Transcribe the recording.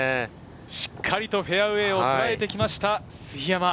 しっかりとフェアウエーをとらえてきました、杉山。